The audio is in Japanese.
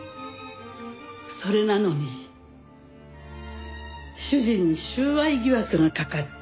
それなのに主人に収賄疑惑がかかった。